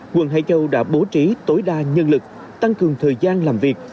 quận hải châu đã bố trí tối đa nhân lực tăng cường thời gian làm việc